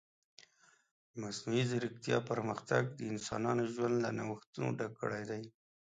د مصنوعي ځیرکتیا پرمختګ د انسانانو ژوند له نوښتونو ډک کړی دی.